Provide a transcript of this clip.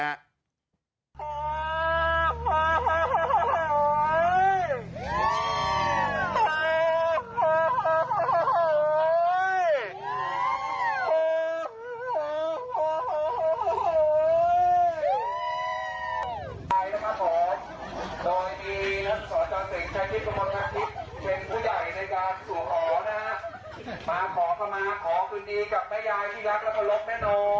มาขอสมมาขอคุณดีกับแม่ยายที่รักและภรรพแม่น้อยคนสวยนะจ๊ะ